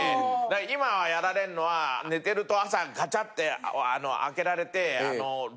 今はやられんのは寝てると朝カチャって開けられて。